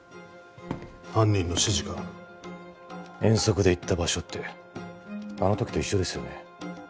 犯人の指示か遠足で行った場所ってあの時と一緒ですよね